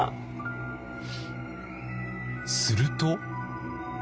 すると。